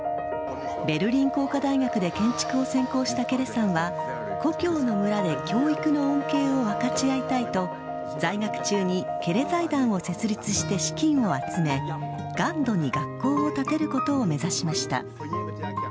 ベルリン工科大学で建築を専攻したケレさんは故郷の村で教育の恩恵を分かち合いたいと在学中にケレ財団を設立して資金を集めガンドに学校を建てることを目指しました。